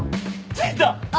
着いた！